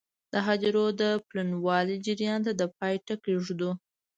د هدیرو د پلنوالي جریان ته د پای ټکی ږدو.